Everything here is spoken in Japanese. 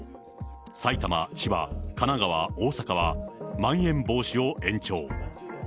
埼玉、千葉、神奈川、大阪はまん延防止を延長。